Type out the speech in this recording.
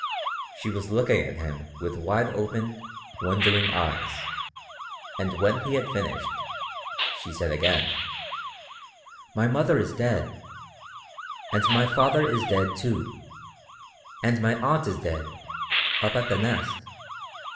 She was looking at him with wide open, wondering eyes, and when he had finished she said again: "My mother is dead. And my father is dead, too. And my aunt is dead up at the Nest.